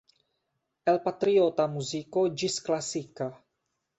El patriota muziko ĝis klasika.